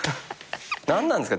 何なんすか？